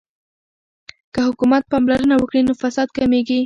که حکومت پاملرنه وکړي نو فساد کمیږي.